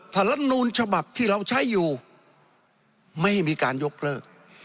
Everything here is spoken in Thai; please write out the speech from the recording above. ถ้ารัฐนูลฉบับที่เราใช้อยู่ไม่ให้มีการยกเลิก